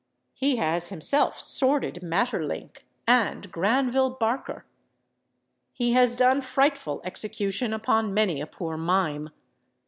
He has himself sworded Maeterlinck and Granville Barker. He has done frightful execution upon many a poor mime.